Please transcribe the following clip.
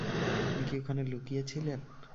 আপনি কি ওখানে লুকিয়ে ছিলেন?